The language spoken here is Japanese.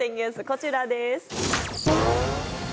こちらです。